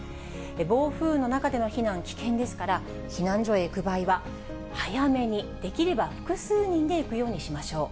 暴風の中での避難、危険ですから、避難所へ行く場合は、早めに、できれば複数人で行くようにしましょう。